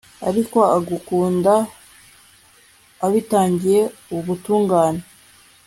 ariko agakunda abitangiye ubutungane